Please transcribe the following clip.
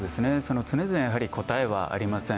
常々答えはありません。